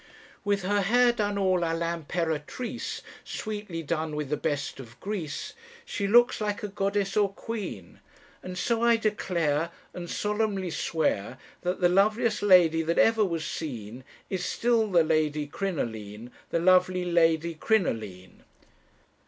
"'With her hair done all à l'impératrice, Sweetly done with the best of grease, She looks like a Goddess or Queen, And so I declare, And solemnly swear, That the loveliest lady that ever was seen Is still the Lady Crinoline, The lovely Lady Crinoline.'"